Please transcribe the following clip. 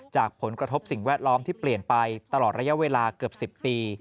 จากผลกระทบสิ่งแวดล้อมที่เปลี่ยนไปตลอดระยะเวลาเกือบ๑๐ปี